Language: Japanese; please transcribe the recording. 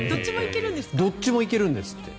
どっちも行けるんですって。